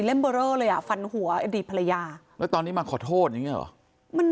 เบอร์เรอเลยอ่ะฟันหัวอดีตภรรยาแล้วตอนนี้มาขอโทษอย่างเงี้เหรอมัน